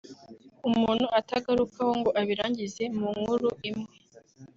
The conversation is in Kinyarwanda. umuntu atagarukaho ngo abirangize mu nkuru imwe